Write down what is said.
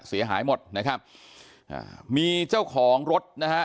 เสียหายหมดนะครับอ่ามีเจ้าของรถนะฮะ